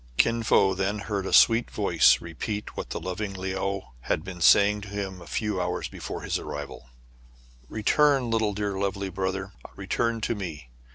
Kin Fo then heard a sweet voice repeat what the loving Le ou had been saying to him a few hours before his arrival :— "Return, little dearly beloved brother! return to me